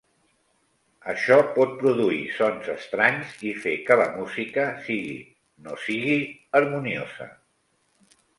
Això pot produir sons estranys i fer que la música sigui no sigui harmoniosa.